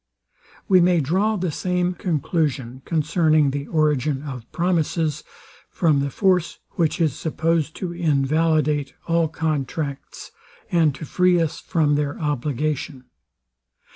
We may draw the same conclusion, concerning the origin of promises, from the force, which is supposed to invalidate all contracts, and to free us from their obligation.